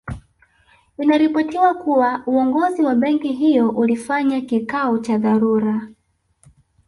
Inaripotiwa kuwa uongozi wa benki hiyo ulifanya kikao cha dharura